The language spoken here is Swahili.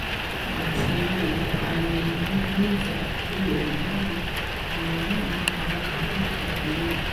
Mbatiany aliuliza wewe ni nani Olonana haraka haraka akajibu